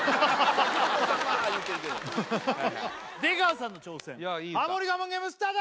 言うてるけど出川さんの挑戦ハモリ我慢ゲームスタート！